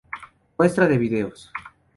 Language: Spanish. Muestra de videos.